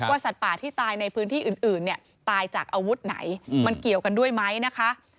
สัตว์ป่าที่ตายในพื้นที่อื่นเนี่ยตายจากอาวุธไหนมันเกี่ยวกันด้วยไหมนะคะ